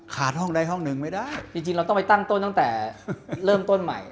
ห้องใดห้องหนึ่งไม่ได้จริงเราต้องไปตั้งต้นตั้งแต่เริ่มต้นใหม่